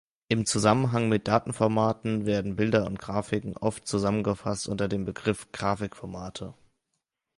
Im Zusammenhang mit Datenformaten werden Bilder und Grafiken oft zusammengefasst unter dem Begriff Grafikformate.